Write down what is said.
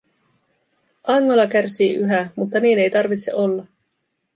Angola kärsii yhä, mutta niin ei tarvitse olla.